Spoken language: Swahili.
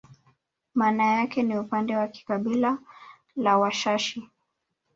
Maana yake ni upande wa kabila la Washashi